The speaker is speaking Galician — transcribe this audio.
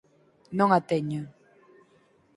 Non a teño.